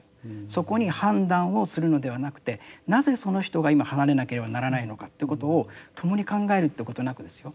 そこに判断をするのではなくてなぜその人が今離れなければならないのかってことを共に考えるってことなくですよ。